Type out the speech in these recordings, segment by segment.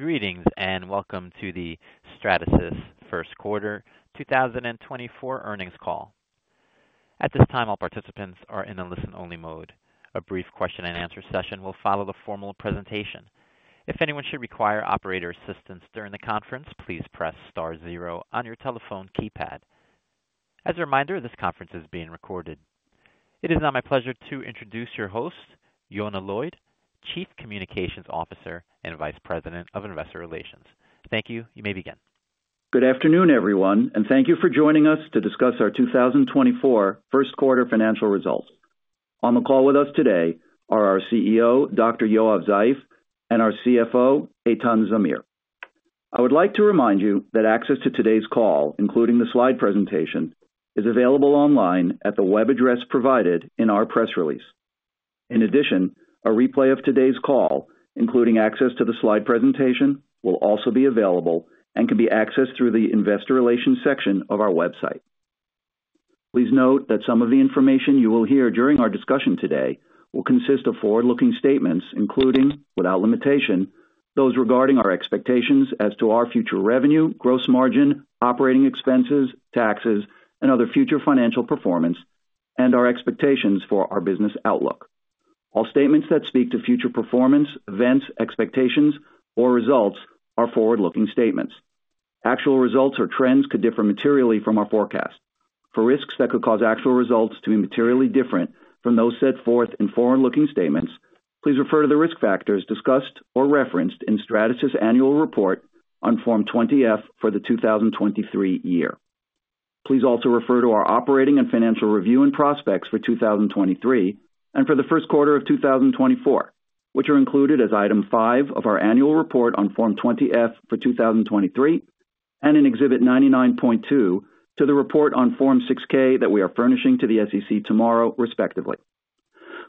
Greetings, and welcome to the Stratasys first quarter 2024 earnings call. At this time, all participants are in a listen-only mode. A brief question and answer session will follow the formal presentation. If anyone should require operator assistance during the conference, please press star zero on your telephone keypad. As a reminder, this conference is being recorded. It is now my pleasure to introduce your host, Yonah Lloyd, Chief Communications Officer and Vice President of Investor Relations. Thank you. You may begin. Good afternoon, everyone, and thank you for joining us to discuss our 2024 first quarter financial results. On the call with us today are our CEO, Dr. Yoav Zeif, and our CFO, Eitan Zamir. I would like to remind you that access to today's call, including the slide presentation, is available online at the web address provided in our press release. In addition, a replay of today's call, including access to the slide presentation, will also be available and can be accessed through the investor relations section of our website. Please note that some of the information you will hear during our discussion today will consist of forward-looking statements, including, without limitation, those regarding our expectations as to our future revenue, gross margin, operating expenses, taxes, and other future financial performance, and our expectations for our business outlook. All statements that speak to future performance, events, expectations, or results are forward-looking statements. Actual results or trends could differ materially from our forecast. For risks that could cause actual results to be materially different from those set forth in forward-looking statements, please refer to the risk factors discussed or referenced in Stratasys annual report on Form 20-F for the 2023 year. Please also refer to our operating and financial review and prospects for 2023, and for the first quarter of 2024, which are included as item 5 of our annual report on Form 20-F for 2023, and in Exhibit 99.2 to the report on Form 6-K that we are furnishing to the SEC tomorrow, respectively.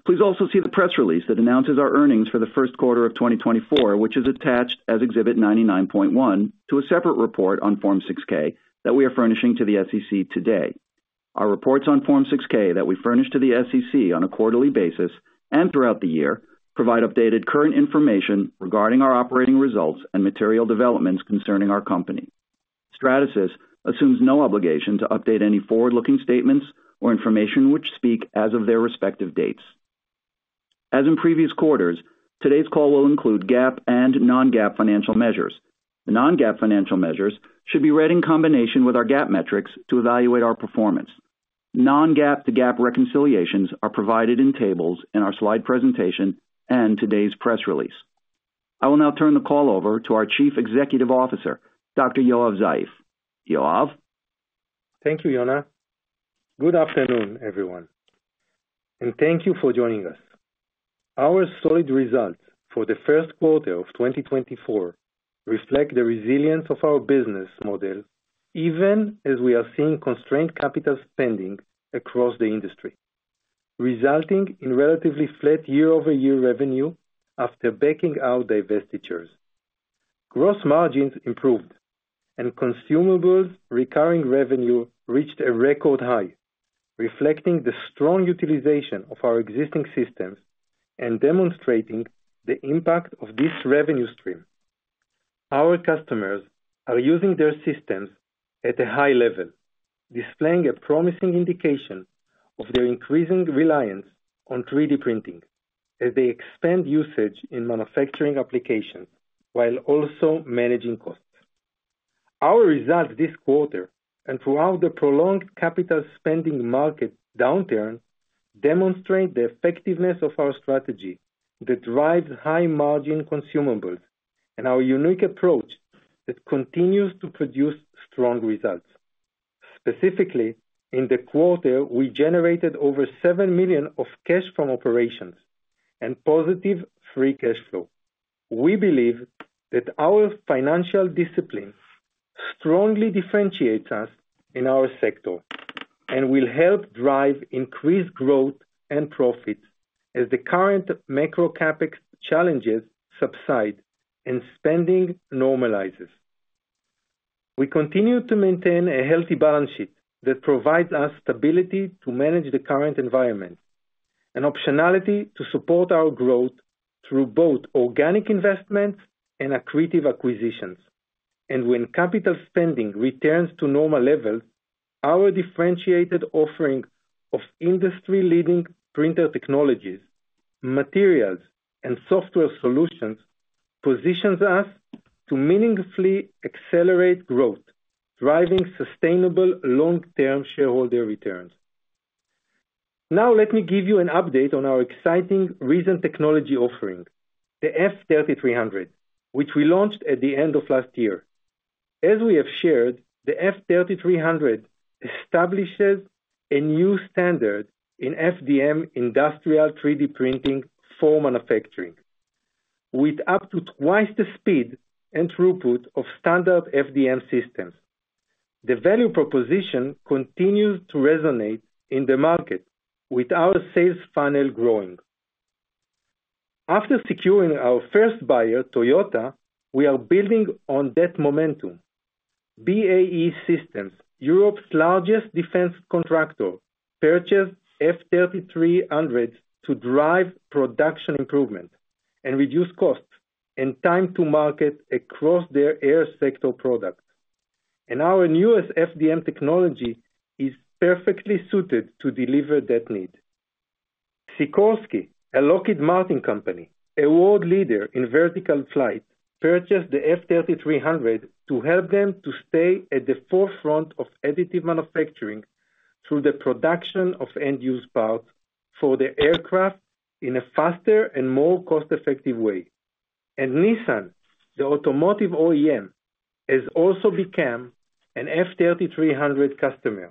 Please also see the press release that announces our earnings for the first quarter of 2024, which is attached as Exhibit 99.1 to a separate report on Form 6-K that we are furnishing to the SEC today. Our reports on Form 6-K that we furnish to the SEC on a quarterly basis and throughout the year provide updated current information regarding our operating results and material developments concerning our company. Stratasys assumes no obligation to update any forward-looking statements or information which speak as of their respective dates. As in previous quarters, today's call will include GAAP and non-GAAP financial measures. The non-GAAP financial measures should be read in combination with our GAAP metrics to evaluate our performance. Non-GAAP to GAAP reconciliations are provided in tables in our slide presentation and today's press release. I will now turn the call over to our Chief Executive Officer, Dr. Yoav Zeif. Yoav? Thank you, Yona. Good afternoon, everyone, and thank you for joining us. Our solid results for the first quarter of 2024 reflect the resilience of our business model, even as we are seeing constrained capital spending across the industry, resulting in relatively flat year-over-year revenue after backing out divestitures. Gross margins improved, and consumables recurring revenue reached a record high, reflecting the strong utilization of our existing systems and demonstrating the impact of this revenue stream. Our customers are using their systems at a high level, displaying a promising indication of their increasing reliance on 3D printing as they expand usage in manufacturing applications, while also managing costs. Our results this quarter and throughout the prolonged capital spending market downturn, demonstrate the effectiveness of our strategy that drives high-margin consumables and our unique approach that continues to produce strong results. Specifically, in the quarter, we generated over $7 million of cash from operations and positive free cash flow. We believe that our financial discipline strongly differentiates us in our sector and will help drive increased growth and profit as the current macro CapEx challenges subside and spending normalizes. We continue to maintain a healthy balance sheet that provides us stability to manage the current environment and optionality to support our growth through both organic investments and accretive acquisitions. When capital spending returns to normal levels, our differentiated offering of industry-leading printer technologies, materials, and software solutions positions us to meaningfully accelerate growth, driving sustainable long-term shareholder returns. Now, let me give you an update on our exciting recent technology offering, the F3300, which we launched at the end of last year. As we have shared, the F3300 establishes a new standard in FDM industrial 3D printing for manufacturing, with up to twice the speed and throughput of standard FDM systems. The value proposition continues to resonate in the market with our sales funnel growing. After securing our first buyer, Toyota, we are building on that momentum. BAE Systems, Europe's largest defense contractor, purchased F3300 to drive production improvement and reduce costs and time to market across their air sector products. Our newest FDM technology is perfectly suited to deliver that need. Sikorsky, a Lockheed Martin company, a world leader in vertical flight, purchased the F3300 to help them to stay at the forefront of additive manufacturing through the production of end use parts for the aircraft in a faster and more cost-effective way. Nissan, the automotive OEM, has also become an F3300 customer,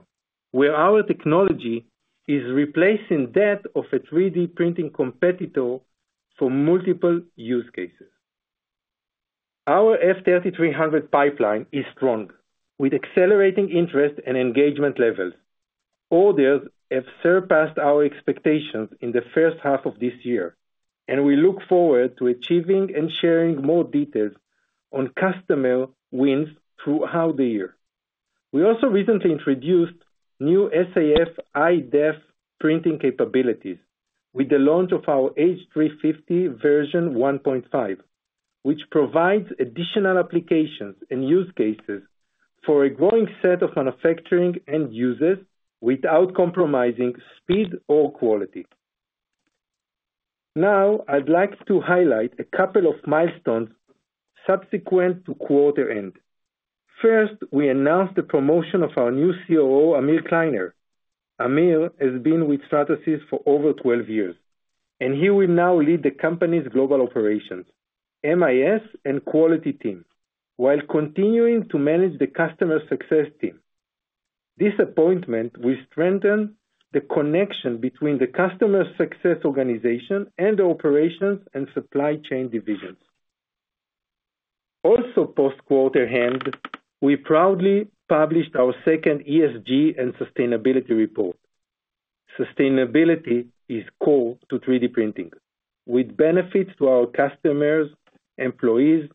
where our technology is replacing that of a 3D printing competitor for multiple use cases. Our F3300 pipeline is strong, with accelerating interest and engagement levels. Orders have surpassed our expectations in the first half of this year, and we look forward to achieving and sharing more details on customer wins throughout the year. We also recently introduced new SAF HighDef printing capabilities with the launch of our H350 Version 1.5, which provides additional applications and use cases for a growing set of manufacturing end users, without compromising speed or quality. Now, I'd like to highlight a couple of milestones subsequent to quarter end. First, we announced the promotion of our new COO, Amir Kleiner. Amir has been with Stratasys for over 12 years, and he will now lead the company's global operations, MIS and quality team, while continuing to manage the customer success team. This appointment will strengthen the connection between the customer success organization and the operations and supply chain divisions. Also, post-quarter end, we proudly published our second ESG and sustainability report. Sustainability is core to 3D printing, with benefits to our customers, employees,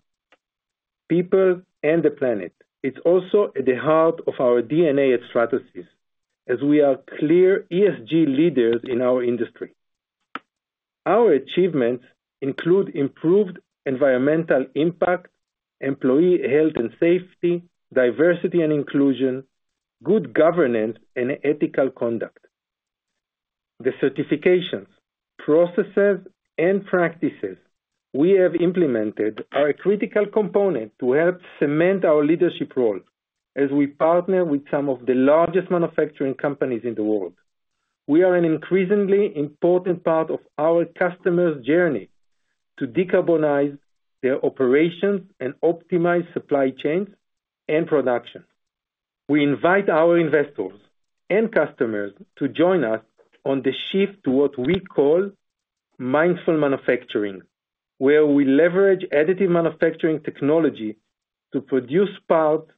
people, and the planet. It's also at the heart of our DNA at Stratasys, as we are clear ESG leaders in our industry. Our achievements include: improved environmental impact, employee health and safety, diversity and inclusion, good governance and ethical conduct. The certifications, processes, and practices we have implemented are a critical component to help cement our leadership role as we partner with some of the largest manufacturing companies in the world. We are an increasingly important part of our customers' journey to decarbonize their operations and optimize supply chains and production. We invite our investors and customers to join us on the shift to what we call Mindful Manufacturing, where we leverage Additive Manufacturing technology to produce parts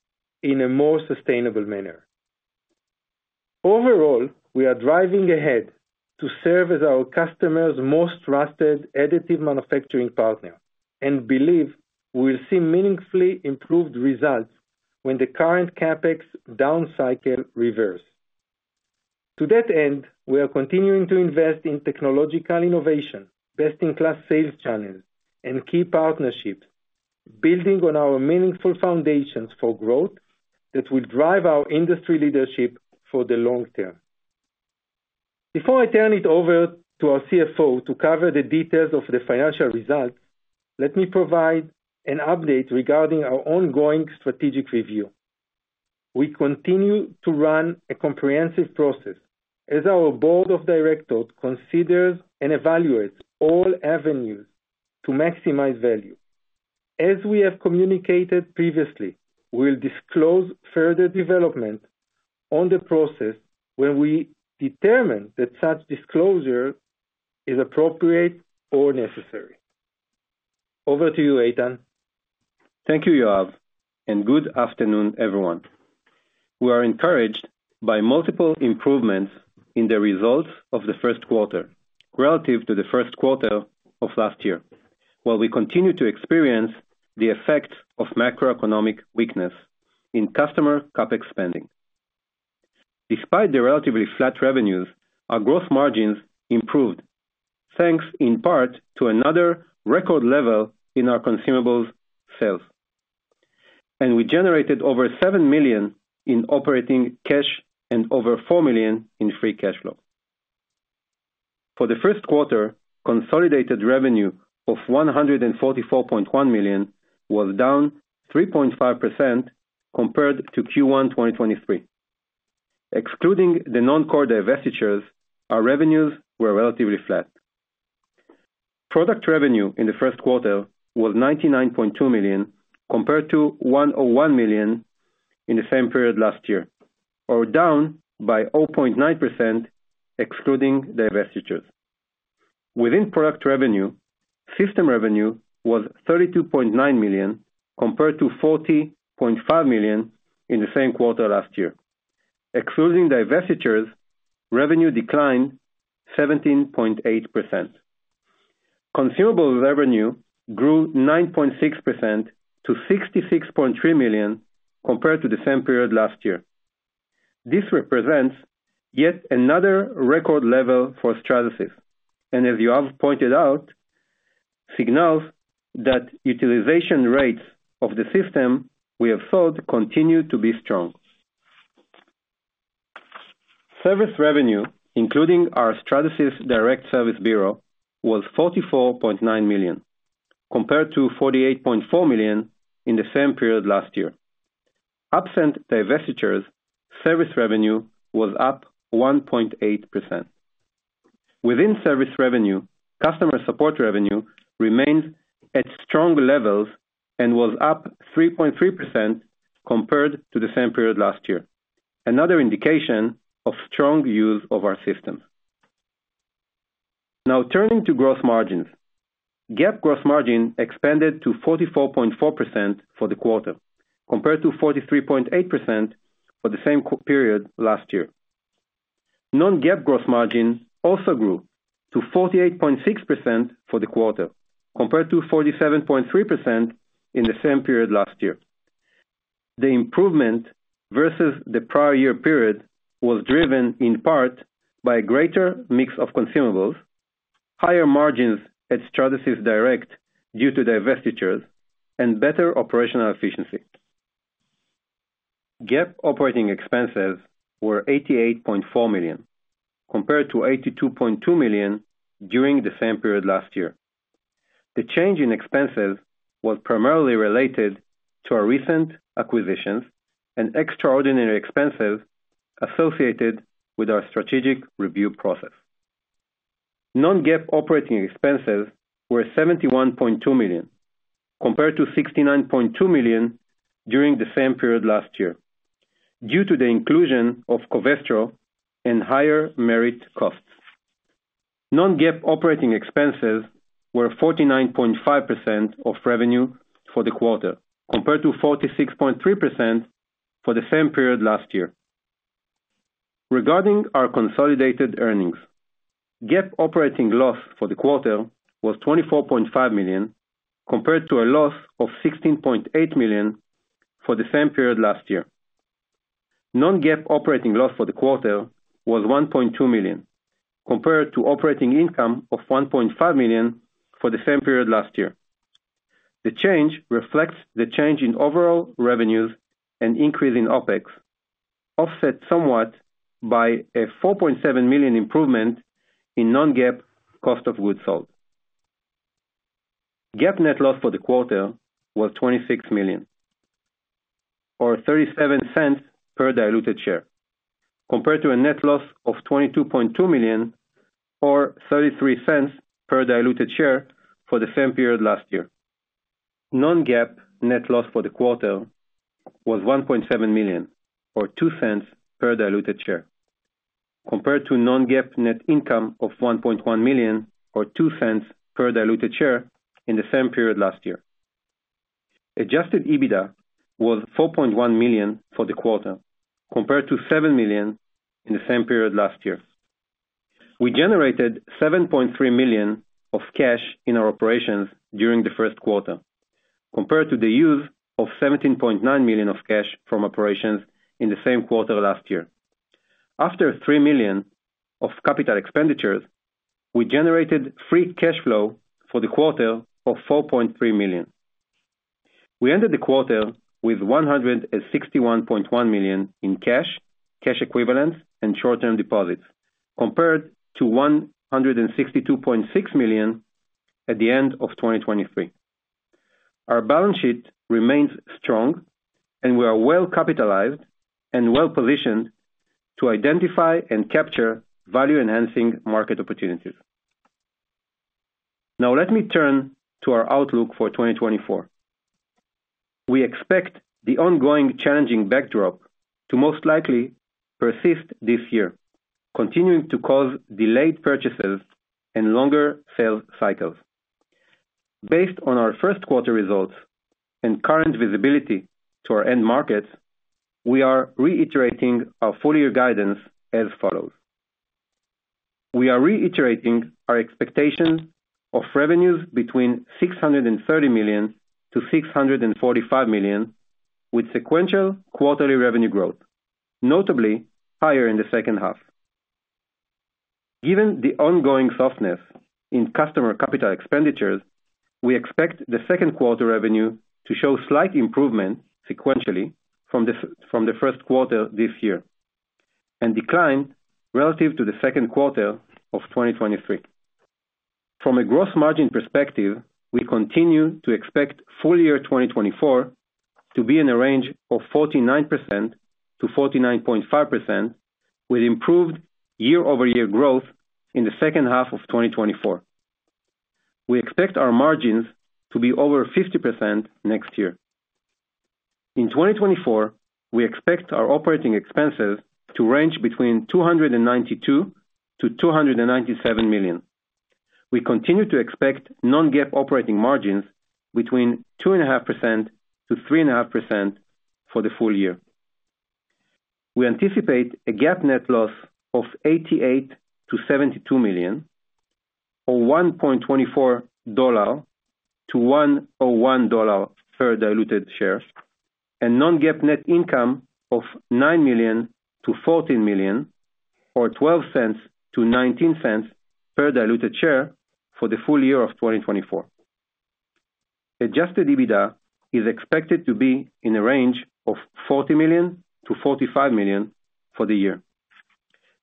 in a more sustainable manner. Overall, we are driving ahead to serve as our customers' most trusted Additive Manufacturing partner, and believe we will see meaningfully improved results when the current CapEx down cycle reverse. To that end, we are continuing to invest in technological innovation, best-in-class sales channels, and key partnerships, building on our meaningful foundations for growth that will drive our industry leadership for the long term. Before I turn it over to our CFO to cover the details of the financial results, let me provide an update regarding our ongoing strategic review. We continue to run a comprehensive process as our board of directors considers and evaluates all avenues to maximize value. As we have communicated previously, we'll disclose further development on the process when we determine that such disclosure is appropriate or necessary. Over to you, Eitan. Thank you, Yoav, and good afternoon, everyone. We are encouraged by multiple improvements in the results of the first quarter, relative to the first quarter of last year, while we continue to experience the effects of macroeconomic weakness in customer CapEx spending. Despite the relatively flat revenues, our growth margins improved, thanks in part to another record level in our consumables sales. We generated over $7 million in operating cash and over $4 million in free cash flow. For the first quarter, consolidated revenue of $144.1 million was down 3.5% compared to Q1 2023. Excluding the non-core divestitures, our revenues were relatively flat. Product revenue in the first quarter was $99.2 million, compared to $101 million in the same period last year, or down by 0.9%, excluding divestitures. Within product revenue, system revenue was $32.9 million, compared to $40.5 million in the same quarter last year. Excluding divestitures, revenue declined 17.8%.... Consumables revenue grew 9.6%-$66.3 million compared to the same period last year. This represents yet another record level for Stratasys, and as you have pointed out, signals that utilization rates of the system we have sold continue to be strong. Service revenue, including our Stratasys Direct service bureau, was $44.9 million, compared to $48.4 million in the same period last year. Absent divestitures, service revenue was up 1.8%. Within service revenue, customer support revenue remains at strong levels and was up 3.3% compared to the same period last year. Another indication of strong use of our system. Now, turning to gross margins. GAAP gross margin expanded to 44.4% for the quarter, compared to 43.8% for the same period last year. Non-GAAP gross margin also grew to 48.6% for the quarter, compared to 47.3% in the same period last year. The improvement versus the prior year period was driven, in part, by a greater mix of consumables, higher margins at Stratasys Direct due to divestitures, and better operational efficiency. GAAP operating expenses were $88.4 million, compared to $82.2 million during the same period last year. The change in expenses was primarily related to our recent acquisitions and extraordinary expenses associated with our strategic review process. Non-GAAP operating expenses were $71.2 million, compared to $69.2 million during the same period last year, due to the inclusion of Covestro and higher merit costs. Non-GAAP operating expenses were 49.5% of revenue for the quarter, compared to 46.3% for the same period last year. Regarding our consolidated earnings, GAAP operating loss for the quarter was $24.5 million, compared to a loss of $16.8 million for the same period last year. Non-GAAP operating loss for the quarter was $1.2 million, compared to operating income of $1.5 million for the same period last year. The change reflects the change in overall revenues and increase in OpEx, offset somewhat by a $4.7 million improvement in non-GAAP cost of goods sold. GAAP net loss for the quarter was $26 million, or $0.37 per diluted share, compared to a net loss of $22.2 million or $0.33 per diluted share for the same period last year. Non-GAAP net loss for the quarter was $1.7 million or $0.02 per diluted share, compared to non-GAAP net income of $1.1 million or $0.02 per diluted share in the same period last year. Adjusted EBITDA was $4.1 million for the quarter, compared to $7 million in the same period last year. We generated $7.3 million of cash in our operations during the first quarter, compared to the use of $17.9 million of cash from operations in the same quarter last year. After $3 million of capital expenditures, we generated free cash flow for the quarter of $4.3 million. We ended the quarter with $161.1 million in cash, cash equivalents, and short-term deposits, compared to $162.6 million at the end of 2023. Our balance sheet remains strong, and we are well capitalized and well positioned to identify and capture value-enhancing market opportunities. Now, let me turn to our outlook for 2024. We expect the ongoing challenging backdrop to most likely persist this year, continuing to cause delayed purchases and longer sales cycles. Based on our first quarter results and current visibility to our end markets, we are reiterating our full year guidance as follows: We are reiterating our expectations of revenues between $630 million-$645 million, with sequential quarterly revenue growth, notably higher in the second half. Given the ongoing softness in customer capital expenditures, we expect the second quarter revenue to show slight improvement sequentially from the first quarter this year, and decline relative to the second quarter of 2023. From a gross margin perspective, we continue to expect full year 2024 to be in a range of 49%-49.5%, with improved year-over-year growth in the second half of 2024. We expect our margins to be over 50% next year. In 2024, we expect our operating expenses to range between $292 million-$297 million. We continue to expect non-GAAP operating margins between 2.5%-3.5% for the full year.... we anticipate a GAAP net loss of $88 million-$72 million, or $1.24-$1.01 per diluted share, and non-GAAP net income of $9 million-$14 million, or $0.12-$0.19 per diluted share for the full year of 2024. Adjusted EBITDA is expected to be in a range of $40 million-$45 million for the year.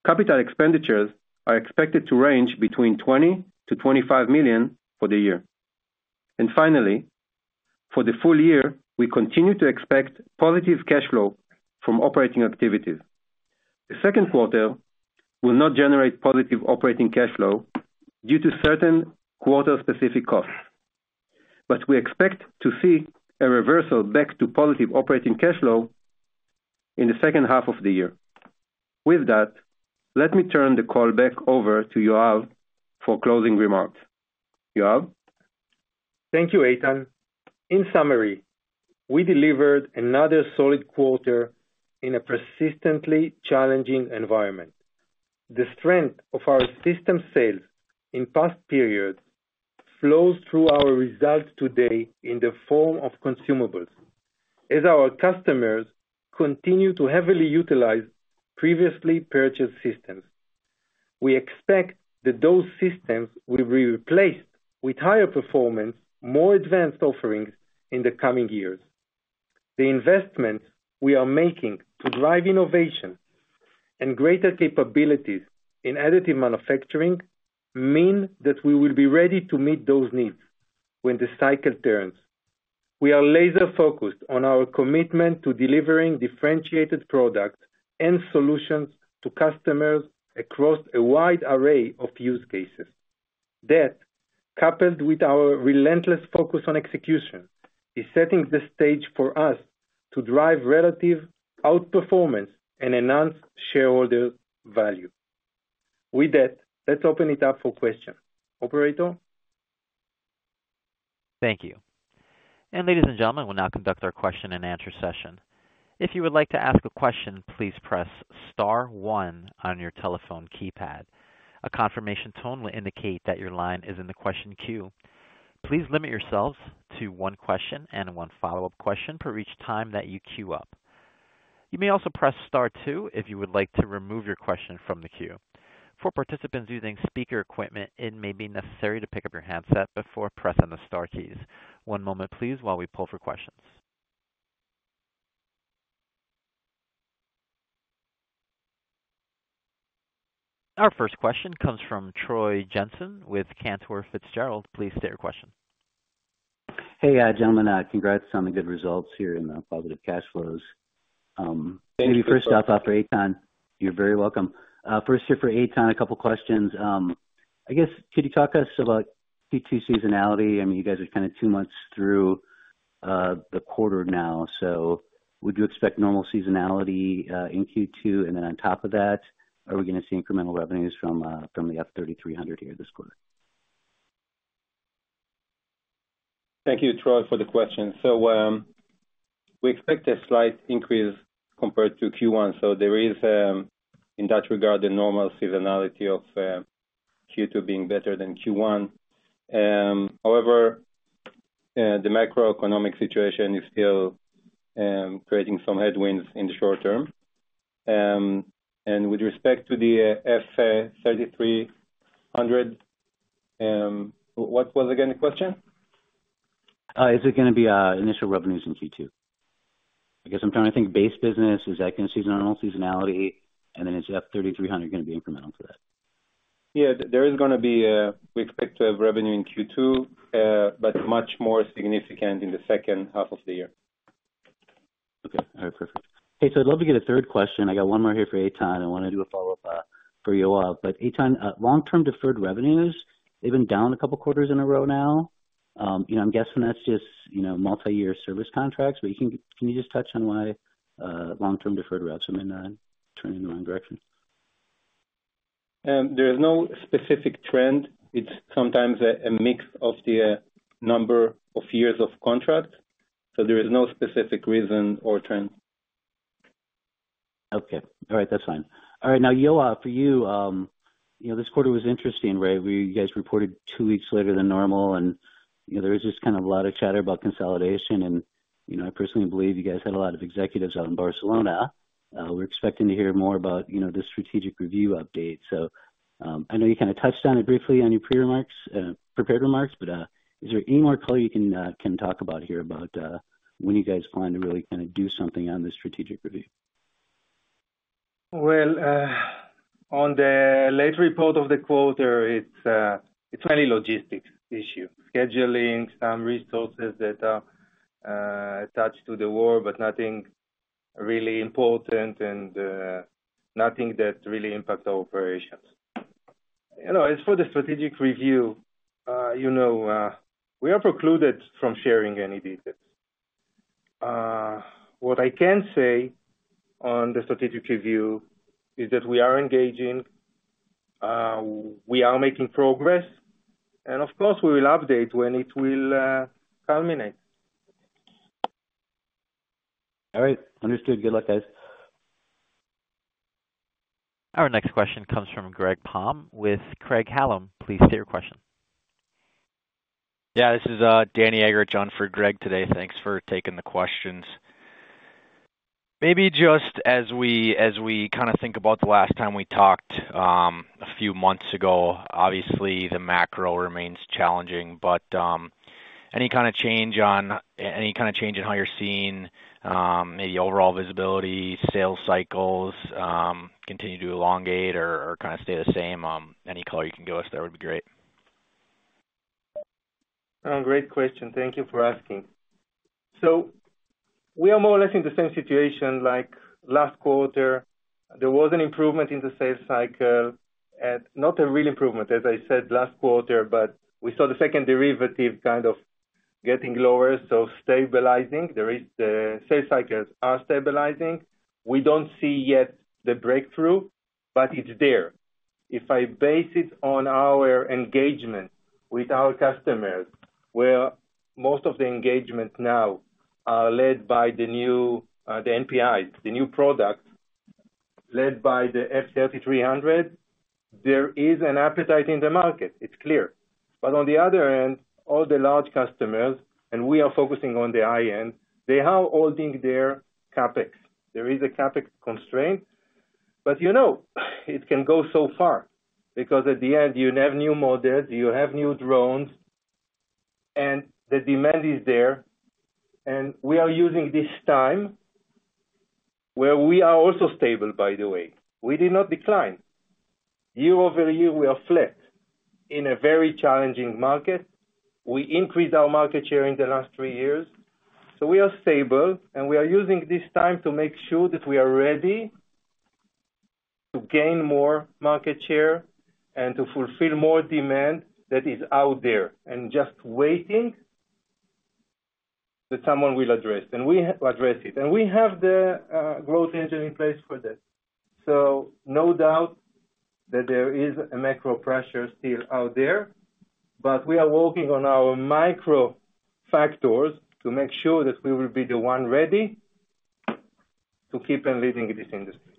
Capital expenditures are expected to range between $20 million-$25 million for the year. And finally, for the full year, we continue to expect positive cash flow from operating activities. The second quarter will not generate positive operating cash flow due to certain quarter-specific costs, but we expect to see a reversal back to positive operating cash flow in the second half of the year. With that, let me turn the call back over to Yoav for closing remarks. Yoav? Thank you, Eitan. In summary, we delivered another solid quarter in a persistently challenging environment. The strength of our system sales in past periods flows through our results today in the form of consumables, as our customers continue to heavily utilize previously purchased systems. We expect that those systems will be replaced with higher performance, more advanced offerings in the coming years. The investments we are making to drive innovation and greater capabilities in additive manufacturing, mean that we will be ready to meet those needs when the cycle turns. We are laser focused on our commitment to delivering differentiated products and solutions to customers across a wide array of use cases. That, coupled with our relentless focus on execution, is setting the stage for us to drive relative outperformance and enhance shareholder value. With that, let's open it up for questions. Operator? Thank you. And ladies and gentlemen, we'll now conduct our question and answer session. If you would like to ask a question, please press star one on your telephone keypad. A confirmation tone will indicate that your line is in the question queue. Please limit yourselves to one question and one follow-up question per each time that you queue up. You may also press star two if you would like to remove your question from the queue. For participants using speaker equipment, it may be necessary to pick up your handset before pressing the star keys. One moment, please, while we pull for questions. Our first question comes from Troy Jensen with Cantor Fitzgerald. Please state your question. Hey, gentlemen, congrats on the good results here and positive cash flows. Thank you. Maybe first off, for Eitan. You're very welcome. First here for Eitan, a couple questions. I guess, could you talk to us about Q2 seasonality? I mean, you guys are kind of two months through the quarter now, so would you expect normal seasonality in Q2? And then on top of that, are we gonna see incremental revenues from the F3300 here this quarter? Thank you, Troy, for the question. So, we expect a slight increase compared to Q1. So there is, in that regard, the normal seasonality of Q2 being better than Q1. However, the macroeconomic situation is still creating some headwinds in the short term. And with respect to the F3300, what was again the question? Is it gonna be initial revenues in Q2? I guess I'm trying to think base business, is that gonna seasonality, and then is F3300 gonna be incremental to that? Yeah, there is gonna be. We expect to have revenue in Q2, but much more significant in the second half of the year. Okay. All right, perfect. Hey, so I'd love to get a third question. I got one more here for Eitan. I wanna do a follow-up for Yoav. But Eitan, long-term deferred revenues, they've been down a couple quarters in a row now. You know, I'm guessing that's just, you know, multi-year service contracts, but can you just touch on why long-term deferred revs have been turning in the wrong direction? There is no specific trend. It's sometimes a mix of the number of years of contract, so there is no specific reason or trend. Okay. All right. That's fine. All right, now, Yoav, for you, you know, this quarter was interesting, right? Where you guys reported two weeks later than normal, and, you know, there is just kind of a lot of chatter about consolidation. And, you know, I personally believe you guys had a lot of executives out in Barcelona. We're expecting to hear more about, you know, the strategic review update. So, I know you kind of touched on it briefly on your prepared remarks, but, is there any more color you can talk about here about when you guys plan to really kind of do something on the strategic review? Well, on the late report of the quarter, it's mainly logistics issue, scheduling some resources that are attached to the war, but nothing really important and nothing that really impacts our operations. You know, as for the strategic review, you know, we are precluded from sharing any details. What I can say on the strategic review is that we are making progress, and of course, we will update when it will culminate. All right. Understood. Good luck, guys. Our next question comes from Greg Palm with Craig-Hallum. Please state your question. Yeah, this is Danny Egger on for Greg Palm today. Thanks for taking the questions. Maybe just as we, as we kind of think about the last time we talked a few months ago, obviously the macro remains challenging, but any kind of change in how you're seeing maybe overall visibility, sales cycles continue to elongate or kind of stay the same? Any color you can give us there would be great. Great question. Thank you for asking. So we are more or less in the same situation like last quarter. There was an improvement in the sales cycle, and not a real improvement, as I said, last quarter, but we saw the second derivative kind of getting lower, so stabilizing. There is, the sales cycles are stabilizing. We don't see yet the breakthrough, but it's there. If I base it on our engagement with our customers, where most of the engagements now are led by the new, the NPIs, the new products, led by the F3300, there is an appetite in the market. It's clear. But on the other hand, all the large customers, and we are focusing on the high-end, they are holding their CapEx. There is a CapEx constraint, but, you know, it can go so far because at the end, you have new models, you have new drones, and the demand is there, and we are using this time where we are also stable, by the way. We did not decline. Year-over-year, we are flat in a very challenging market. We increased our market share in the last three years, so we are stable, and we are using this time to make sure that we are ready to gain more market share and to fulfill more demand that is out there and just waiting, that someone will address. And we address it. And we have the growth engine in place for this. No doubt that there is a macro pressure still out there, but we are working on our micro factors to make sure that we will be the one ready to keep on leading this industry.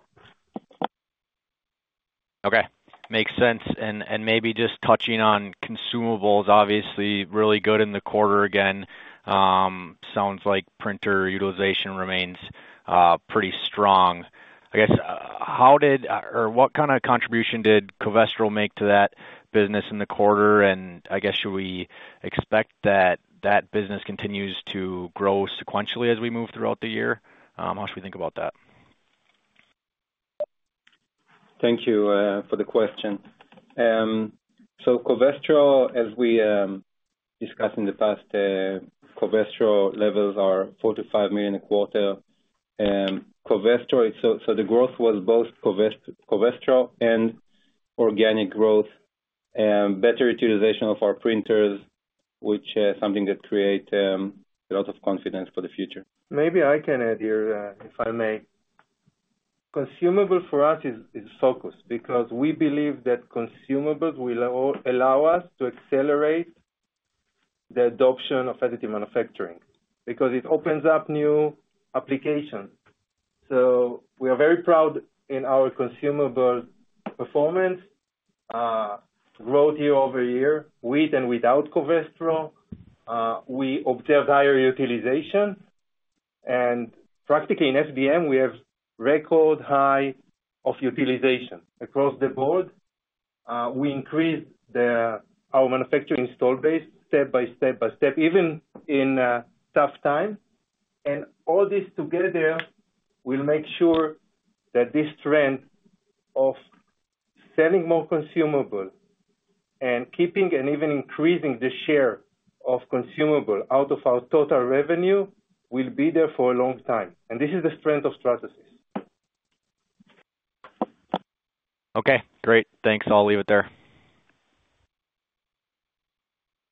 Okay, makes sense. And, and maybe just touching on consumables, obviously really good in the quarter again. Sounds like printer utilization remains pretty strong. I guess, how did, or what kind of contribution did Covestro make to that business in the quarter? And I guess, should we expect that that business continues to grow sequentially as we move throughout the year? How should we think about that? Thank you for the question. So Covestro, as we discussed in the past, Covestro levels are $45 million a quarter. Covestro, so the growth was both Covestro and organic growth and better utilization of our printers, which something that create a lot of confidence for the future. Maybe I can add here, if I may. Consumable for us is, is focus, because we believe that consumables will allow, allow us to accelerate the adoption of additive manufacturing, because it opens up new applications. So we are very proud in our consumable performance, growth year-over-year, with and without Covestro. We observed higher utilization, and practically in FDM, we have record high of utilization across the board. We increased the, our manufacturing install base step by step by step, even in, tough time. And all this together will make sure that this trend of selling more consumable and keeping and even increasing the share of consumable out of our total revenue, will be there for a long time. And this is the strength of Stratasys. Okay, great. Thanks. I'll leave it there.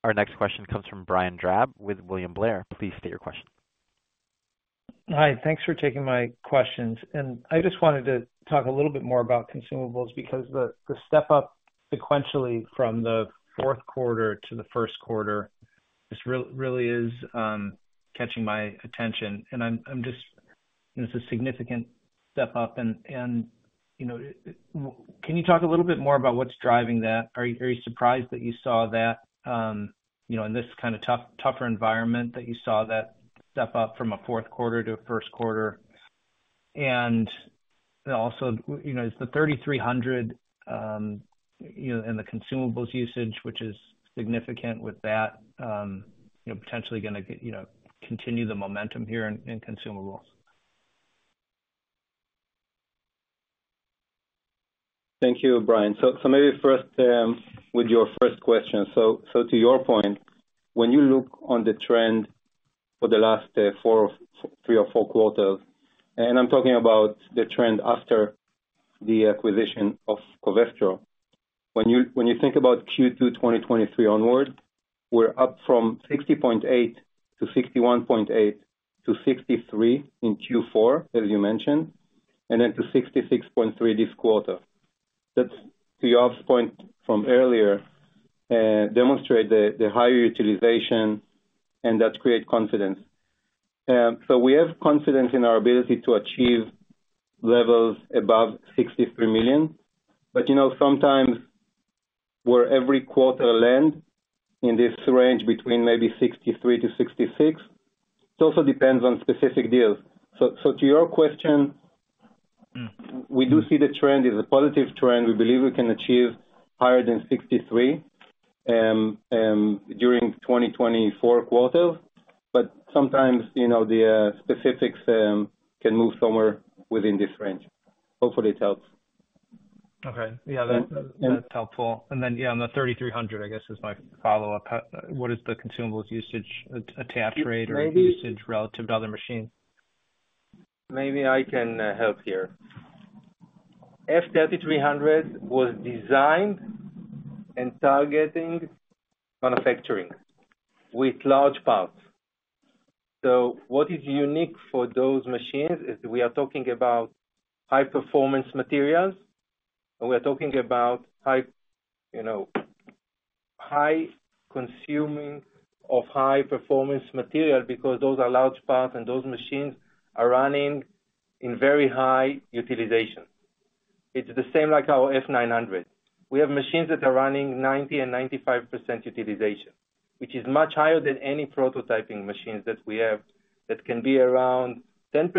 Our next question comes from Brian Drab with William Blair. Please state your question. Hi, thanks for taking my questions. I just wanted to talk a little bit more about consumables, because the step up sequentially from the fourth quarter to the first quarter, this really is catching my attention. I'm just... It's a significant step up, and, you know, can you talk a little bit more about what's driving that? Are you surprised that you saw that, you know, in this kind of tougher environment, that you saw that step up from a fourth quarter to a first quarter? And also, you know, is the F3300, you know, in the consumables usage, which is significant with that, you know, potentially gonna get, you know, continue the momentum here in consumables? Thank you, Brian. So, so maybe first, with your first question. So, so to your point, when you look on the trend for the last, four, three or four quarters, and I'm talking about the trend after the acquisition of Covestro. When you, when you think about Q2-2023 onward- We're up from 60.8-61.8-63 in Q4, as you mentioned, and then to 66.3 this quarter. That's to Yoav's point from earlier, demonstrate the higher utilization, and that create confidence. So we have confidence in our ability to achieve levels above $63 million. But, you know, sometimes where every quarter land in this range between maybe $63-$66, it also depends on specific deals. So, so to your question, we do see the trend is a positive trend. We believe we can achieve higher than $63, during 2024 quarters. But sometimes, you know, the specifics, can move somewhere within this range. Hopefully, it helps. Okay. Yeah, that. And. That's helpful. And then, yeah, on the F3300, I guess, is my follow-up. What is the consumables usage, attach rate or. Maybe. Usage relative to other machines? Maybe I can help here. F3300 was designed and targeting manufacturing with large parts. So what is unique for those machines is we are talking about high-performance materials, and we are talking about high, you know, high consuming of high-performance material, because those are large parts, and those machines are running in very high utilization. It's the same like our F900. We have machines that are running 90% and 95% utilization, which is much higher than any prototyping machines that we have, that can be around 10%,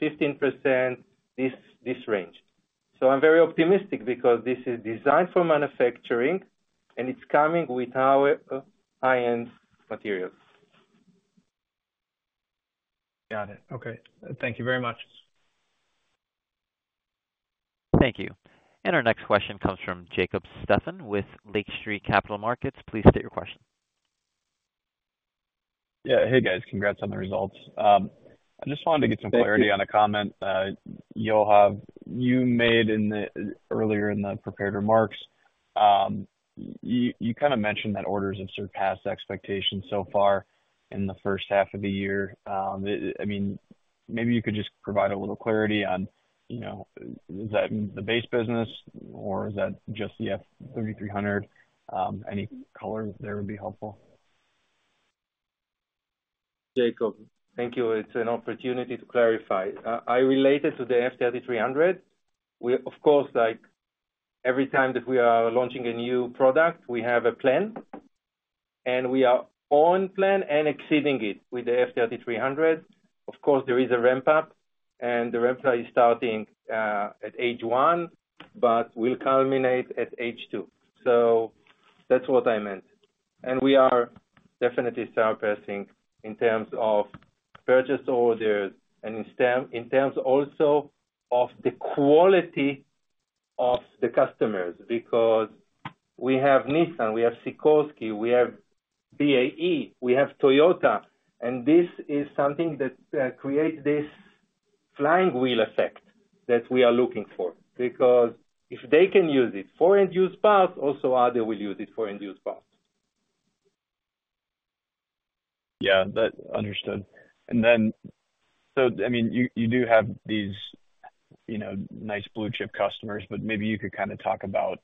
15%, this range. So I'm very optimistic because this is designed for manufacturing, and it's coming with our high-end materials. Got it. Okay. Thank you very much. Thank you. Our next question comes from Jacob Stephan with Lake Street Capital Markets. Please state your question. Yeah. Hey, guys, congrats on the results. I just wanted to get- Thank you. Some clarity on a comment, Yoav, you made in the earlier in the prepared remarks. You kind of mentioned that orders have surpassed expectations so far in the first half of the year. I mean, maybe you could just provide a little clarity on, you know, is that the base business or is that just the F3300? Any color there would be helpful. Jacob, thank you. It's an opportunity to clarify. I relate it to the F3300. We, of course, like every time that we are launching a new product, we have a plan, and we are on plan and exceeding it with the F3300. Of course, there is a ramp up, and the ramp up is starting at H1, but will culminate at H2. So that's what I meant. And we are definitely surpassing in terms of purchase orders and in term, in terms also of the quality of the customers, because we have Nissan, we have Sikorsky, we have BAE, we have Toyota, and this is something that creates this flywheel effect that we are looking for. Because if they can use it for end-use parts, also, others will use it for end-use parts. Yeah, that understood. And then, so, I mean, you do have these, you know, nice blue-chip customers, but maybe you could kind of talk about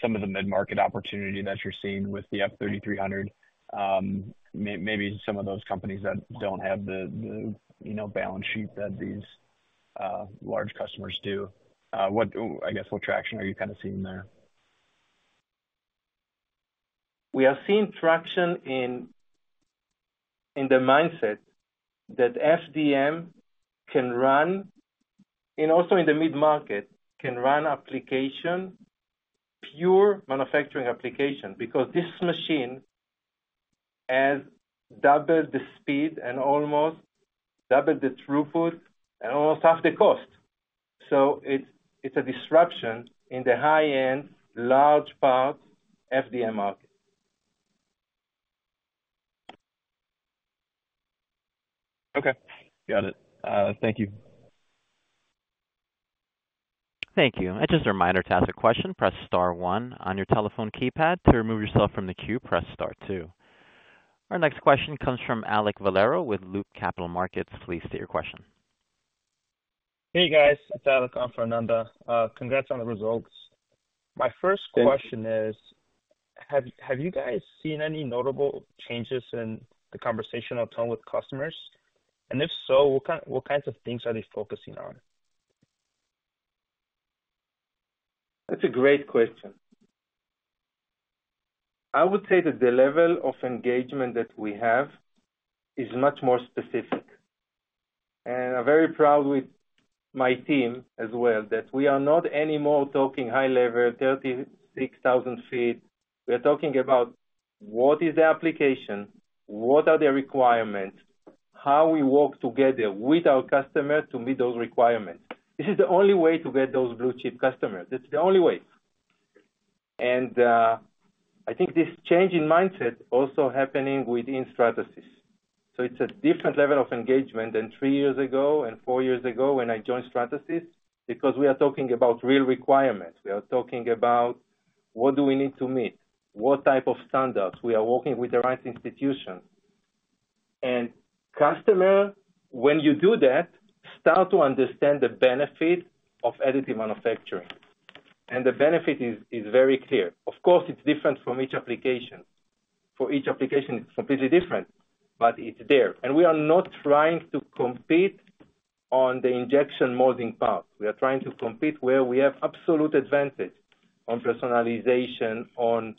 some of the mid-market opportunity that you're seeing with the F3300. Maybe some of those companies that don't have the, you know, balance sheet that these large customers do. What, I guess, what traction are you kind of seeing there? We are seeing traction in the mindset that FDM can run, and also in the mid-market, can run application, pure manufacturing application, because this machine has double the speed and almost double the throughput and almost half the cost. So it's a disruption in the high-end, large part FDM market. Okay, got it. Thank you. Thank you. And just a reminder, to ask a question, press star one on your telephone keypad. To remove yourself from the queue, press star two. Our next question comes from Alek Valero with Loop Capital Markets. Please state your question. Hey, guys, it's Alek. I'm from Loop. Congrats on the results. Thank you. My first question is, have you guys seen any notable changes in the conversational tone with customers? And if so, what kinds of things are they focusing on? That's a great question. I would say that the level of engagement that we have is much more specific, and I'm very proud with my team as well, that we are not anymore talking high level, 36,000 feet. We are talking about what is the application, what are the requirements, how we work together with our customers to meet those requirements. This is the only way to get those blue-chip customers. It's the only way. And, I think this change in mindset also happening within Stratasys.... So it's a different level of engagement than three years ago and four years ago when I joined Stratasys, because we are talking about real requirements. We are talking about what do we need to meet, what type of standards. We are working with the right institutions. And customer, when you do that, start to understand the benefit of additive manufacturing, and the benefit is, is very clear. Of course, it's different from each application. For each application, it's completely different, but it's there. And we are not trying to compete on the injection molding part. We are trying to compete where we have absolute advantage: on personalization, on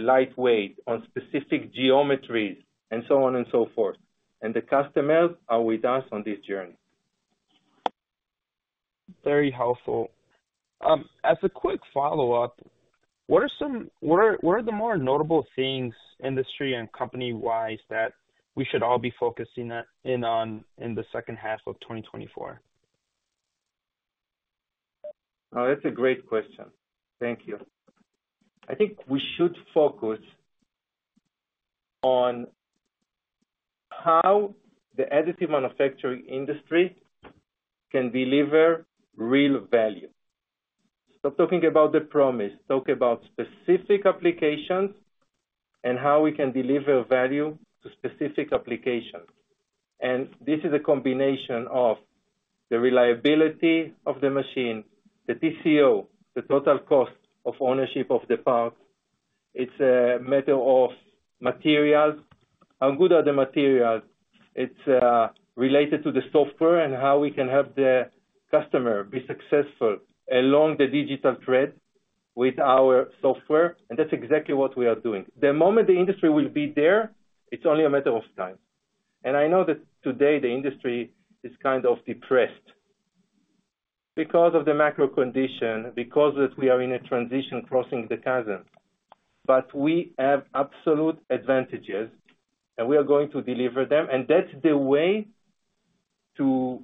lightweight, on specific geometries, and so on and so forth. And the customers are with us on this journey. Very helpful. As a quick follow-up, what are some of the more notable things, industry and company-wise, that we should all be focusing on in the second half of 2024? Oh, that's a great question. Thank you. I think we should focus on how the additive manufacturing industry can deliver real value. Stop talking about the promise, talk about specific applications and how we can deliver value to specific applications. And this is a combination of the reliability of the machine, the TCO, the total cost of ownership of the part. It's a matter of materials. How good are the materials? It's related to the software and how we can help the customer be successful along the digital thread with our software, and that's exactly what we are doing. The moment the industry will be there, it's only a matter of time. And I know that today the industry is kind of depressed because of the macro condition, because that we are in a transition crossing the chasm. But we have absolute advantages, and we are going to deliver them, and that's the way to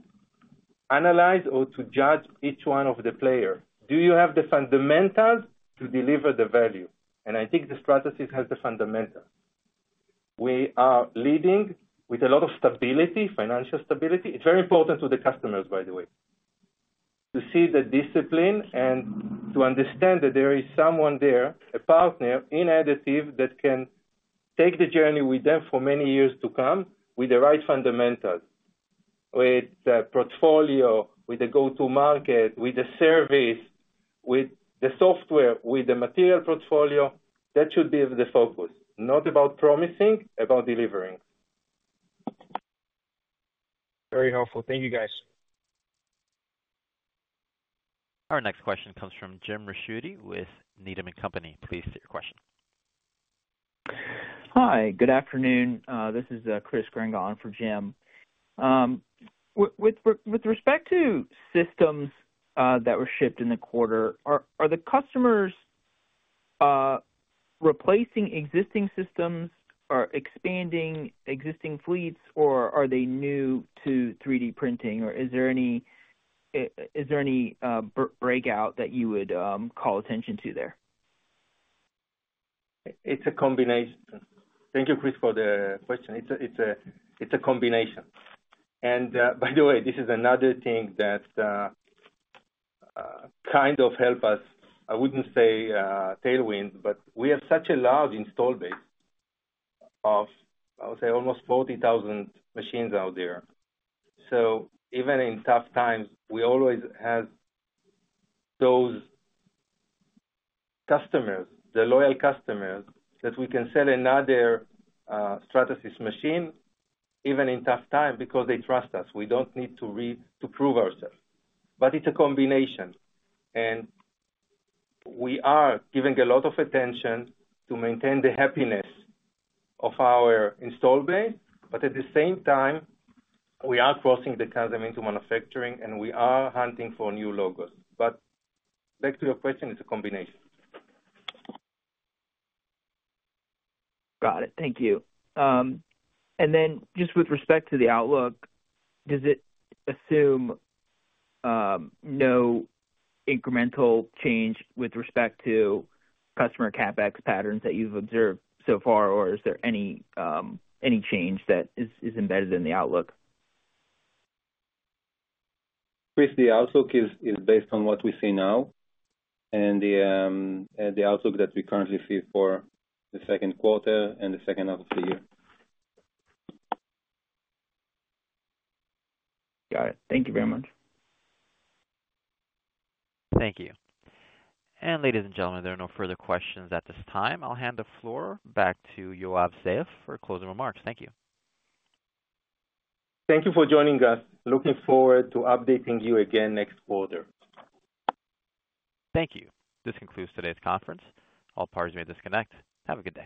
analyze or to judge each one of the player. Do you have the fundamentals to deliver the value? And I think the Stratasys has the fundamentals. We are leading with a lot of stability, financial stability. It's very important to the customers, by the way, to see the discipline and to understand that there is someone there, a partner in additive, that can take the journey with them for many years to come with the right fundamentals, with the portfolio, with the go-to market, with the service, with the software, with the material portfolio. That should be the focus. Not about promising, about delivering. Very helpful. Thank you, guys. Our next question comes from Jim Ricchiuti with Needham & Company. Please state your question. Hi, good afternoon. This is Chris Grenga for Jim. With respect to systems that were shipped in the quarter, are the customers replacing existing systems or expanding existing fleets, or are they new to 3D printing, or is there any breakout that you would call attention to there? It's a combination. Thank you, Chris, for the question. It's a combination. And by the way, this is another thing that kind of help us. I wouldn't say tailwind, but we have such a large install base of, I would say, almost 40,000 machines out there. So even in tough times, we always have those customers, the loyal customers, that we can sell another Stratasys machine, even in tough time, because they trust us. We don't need to prove ourselves. But it's a combination, and we are giving a lot of attention to maintain the happiness of our install base, but at the same time, we are crossing the chasm into manufacturing, and we are hunting for new logos. But back to your question, it's a combination. Got it. Thank you. And then just with respect to the outlook, does it assume no incremental change with respect to customer CapEx patterns that you've observed so far? Or is there any change that is embedded in the outlook? Chris, the outlook is based on what we see now and the outlook that we currently see for the second quarter and the second half of the year. Got it. Thank you very much. Thank you. Ladies and gentlemen, there are no further questions at this time. I'll hand the floor back to Yoav Zeif for closing remarks. Thank you. Thank you for joining us. Looking forward to updating you again next quarter. Thank you. This concludes today's conference. All parties may disconnect. Have a good day.